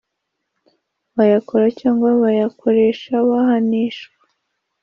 bayakora cyangwa bayakoresha bahanishwa